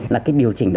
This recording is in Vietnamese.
là cái điều chỉnh đó